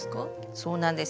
そうなんです。